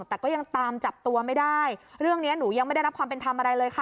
แต่ก็ยังตามจับตัวไม่ได้เรื่องเนี้ยหนูยังไม่ได้รับความเป็นธรรมอะไรเลยค่ะ